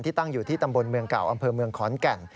ตั้งอยู่ที่ตำบลเมืองเก่าอำเภอเมืองขอนแก่น